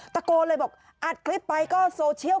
ตะโกนเลยบอกอัดคลิปไปก็โซเชียล